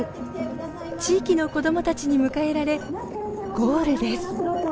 地域の子どもたちに迎えられゴールです。